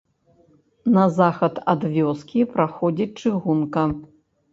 На захад ад вёскі праходзіць чыгунка.